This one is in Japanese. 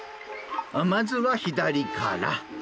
まずは左から。